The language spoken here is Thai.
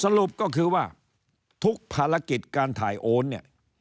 สรุปก็คือว่าทุกภารกิจการถ่ายโอนเนี่ย